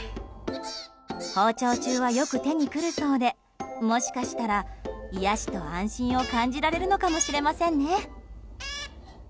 放鳥中は、よく手に来るそうでもしかしたら、癒やしと安心を感じられるのかもしれませんね。